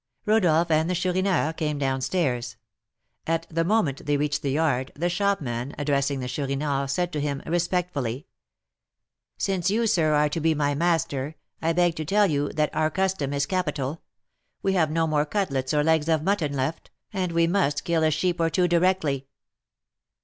Rodolph and the Chourineur came down stairs. At the moment they reached the yard, the shopman, addressing the Chourineur, said to him, respectfully: "Since you, sir, are to be my master, I beg to tell you that our custom is capital. We have no more cutlets or legs of mutton left, and we must kill a sheep or two directly."